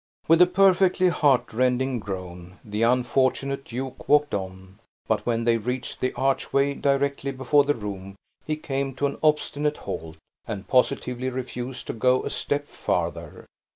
With a perfectly heart rending groan, the unfortunate duke walked on; but when they reached the archway directly before the room, he came to an obstinate halt, and positively refused to go a step farther.